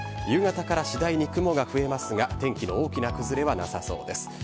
夕方から次第に雲が増えますが、天気の大きな崩れはなさそうです。